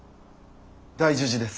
大樹寺です。